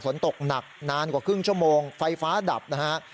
ฝนตกหนักนานกว่าครึ่งชั่วโมงไฟฟ้าดับนะฮะ